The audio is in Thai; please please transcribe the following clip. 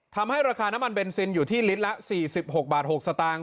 ทำให้ราคาน้ำมันเบนซินอยู่ที่ลิตรละ๔๖บาท๖สตางค์